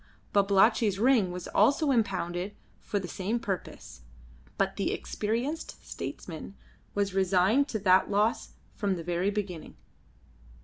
Babalatchi's ring was also impounded for the same purpose, but the experienced statesman was resigned to that loss from the very beginning.